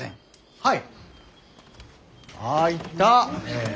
はい。